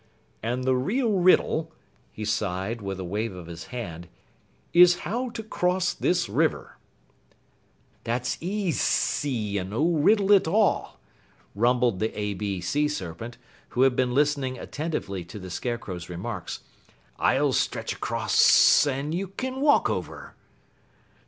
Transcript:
"And the real riddle," he sighed with a wave of his hand, "is how to cross this river." "That's easy and no riddle at all," rumbled the A B Sea Serpent, who had been listening attentively to the Scarecrow's remarks. "I'll stretch across, and you can walk over."